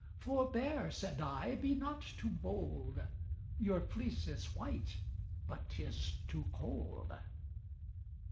Forbear (said I) be not too bold, Your fleect is white, but 'tis too cold.